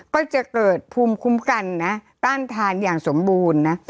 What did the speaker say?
ก็จะเกิดภูมิคุ้มกันนะต้านทานอย่างสมบูรณ์นะ